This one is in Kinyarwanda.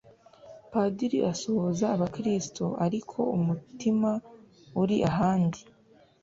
padiri asuhuza abakristu ariko umutima uri ahandi